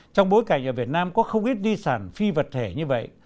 trong bối cảnh ở việt nam có không ít di sản phi vật thể như vậy